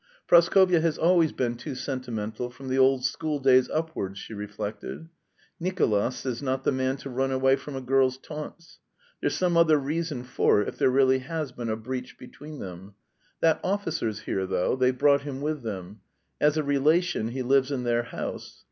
"Praskovya has always been too sentimental from the old schooldays upwards," she reflected. "Nicolas is not the man to run away from a girl's taunts. There's some other reason for it, if there really has been a breach between them. That officer's here though, they've brought him with them. As a relation he lives in their house.